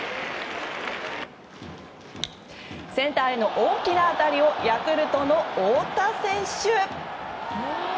センターへの大きな当たりをヤクルトの太田選手。